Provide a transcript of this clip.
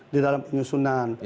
di dalam penyusunan